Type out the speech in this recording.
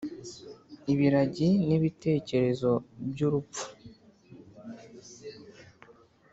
ibiragi nibitekerezo byurupfu